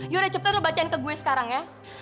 yaudah cipta lu bacain ke gue sekarang ya